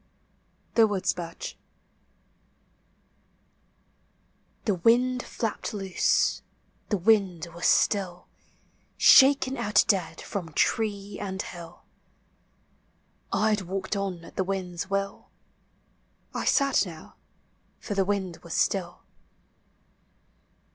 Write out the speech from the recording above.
THE WOODSITRdi;. The wind flapped loose, the wind was still, Shaken out dead from tree and hill: I had walked on at the wind's will, I sat now, for the wind was still.